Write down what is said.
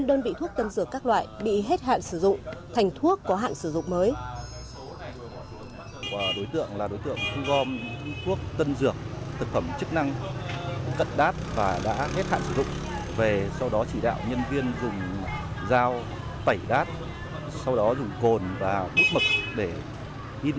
đơn vị thuốc tân dược các loại bị hết hạn sử dụng thành thuốc có hạn sử dụng mới